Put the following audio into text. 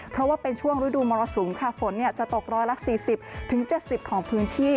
เพราะว่าเป็นช่วงฤดูมรสุมค่ะฝนจะตกร้อยละ๔๐๗๐ของพื้นที่